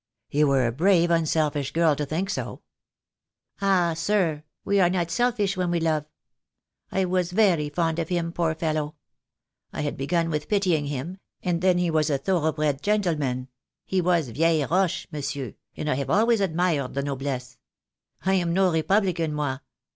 "You were a brave, unselfish girl to think so." "Ah, sir, we are not selfish when we love. I was very fond of him, poor fellow. I had begun with pitying him, and then he was a thoroughbred gentleman — he was vieille roche, monsieur, and I have always admired the noblesse. I am no Republican, moi.